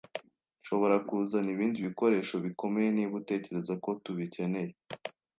Nshobora kuzana ibindi bikoresho bikomeye niba utekereza ko tubikeneye.